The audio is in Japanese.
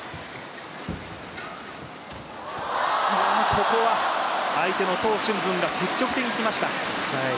ここは相手のトウ俊文が積極的にきました。